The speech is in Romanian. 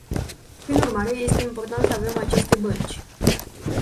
Prin urmare, este important să avem aceste bănci.